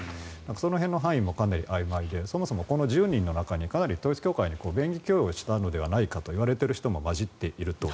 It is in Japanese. その辺の範囲もかなりあいまいでそもそもこの１０人の中で統一教会にかなり便宜供与をしたのではないかといわれる人が混じっていると。